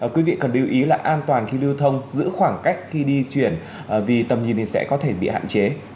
quý vị cần lưu ý là an toàn khi lưu thông giữ khoảng cách khi đi chuyển vì tầm nhìn thì sẽ có thể bị hạn chế